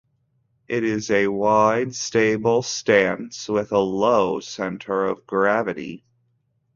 It is a wide, stable stance with a low center of gravity.